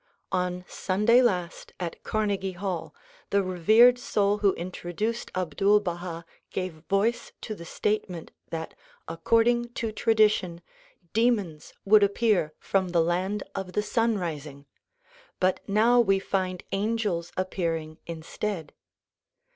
On Sunday last at Carnegie Hall the revered soul who intro duced Abdul Baha gave voice to the statement that according to tradition demons would appear from the land of the sun rising, DISCOURSES DELIVERED IN NE^Y YORK 21 but now we find angels appearing instead.